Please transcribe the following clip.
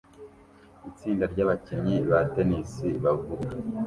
Itsinda ryabakinnyi ba tennis bavuga